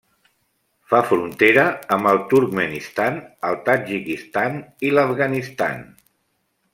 Fa frontera amb el Turkmenistan, el Tadjikistan i l'Afganistan.